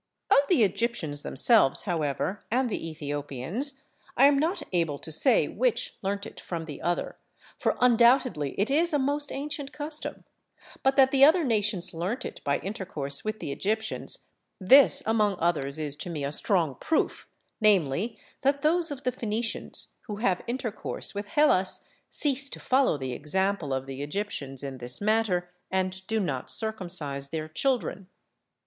Of the Egyptians themselves however and the Ethiopians, I am not able to say which learnt from the other, for undoubtedly it is a most ancient custom; but that the other nations learnt it by intercourse with the Egyptians, this among others is to me a strong proof, namely that those of the Phenicians who have intercourse with Hellas cease to follow the example of the Egyptians in this matter, and do not circumcise their children.